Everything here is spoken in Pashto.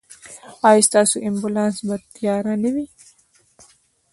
ایا ستاسو امبولانس به تیار نه وي؟